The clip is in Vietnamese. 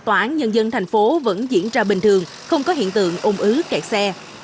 tòa án nhân dân tp hcm vẫn diễn ra bình thường không có hiện tượng ôm ứ kẹt xe